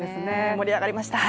盛り上がりましたね。